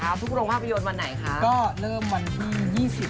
หนังไทยต้องเชียร์กันได้ครับทุกโรงภาพยนตร์วันไหนครับ